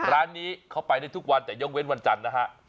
ร้านนี้เขาไปได้ทุกวันแต่ยกเว้นวันจันทร์นะฮะ